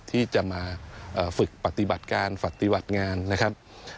ที่จะมาฝึกปฏิบัติการปฏิบัติงานนะครับ